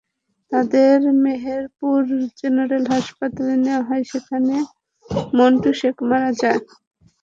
তাঁদের মেহেরপুর জেনারেল হাসপাতালে নেওয়া হলে সেখানে মন্টু শেখ মারা যান।